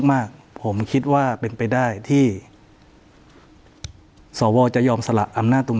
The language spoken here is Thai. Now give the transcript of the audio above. มากผมคิดว่าเป็นไปได้ที่สวจะยอมสละอำนาจตรง